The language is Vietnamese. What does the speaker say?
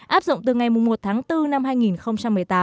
áp dụng từ ngày một tháng bốn năm hai nghìn một mươi tám